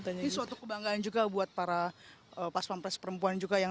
ini suatu kebanggaan juga buat para pas pampres perempuan juga yang